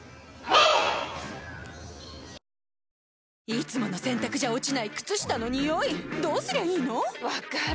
いつもの洗たくじゃ落ちない靴下のニオイどうすりゃいいの⁉分かる。